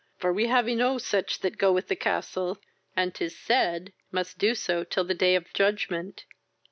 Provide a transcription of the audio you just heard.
for we have enow such that go with the castle, and, 'tis said, must do so till the day of judgment."